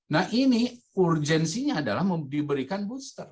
nah ini urgensinya adalah diberikan booster